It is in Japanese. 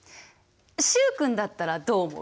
習君だったらどう思う？